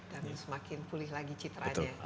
dan semakin pulih lagi citranya